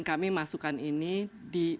kami masukkan ini di